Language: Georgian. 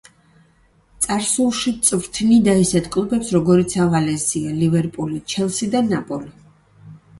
წარსულში წვრთნიდა ისეთ კლუბებს, როგორიცაა „ვალენსია“, „ლივერპული“, „ჩელსი“ და „ნაპოლი“.